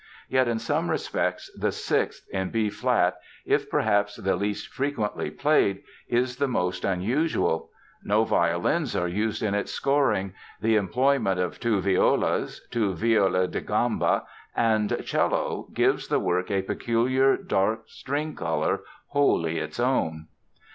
Yet in some respects the sixth, in B flat, if perhaps the least frequently played, is the most unusual. No violins are used in its scoring. The employment of two violas, two viole da gamba, and cello gives the work a peculiar dark string color wholly its own.